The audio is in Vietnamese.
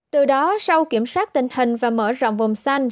từ đó sau kiểm soát tình hình và mở rộng vùng xanh